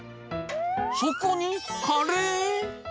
そこにカレー？